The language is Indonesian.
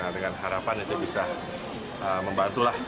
dengan harapan itu bisa membantulah